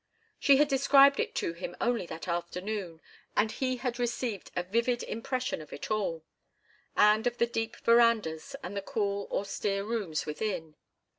She had described it to him only that afternoon, and he had received a vivid impression of it all, and of the deep verandas and the cool, austere rooms within.